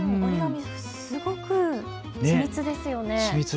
すごく緻密ですよね。